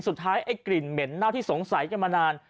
สุดท้ายกลิ่นเหม็นน่าวที่สงสัยกันมานาน